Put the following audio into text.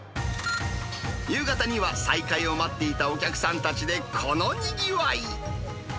夕方には、再開を待っていたお客さんたちでこのにぎわい。